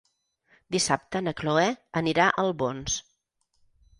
Dissabte na Cloè anirà a Albons.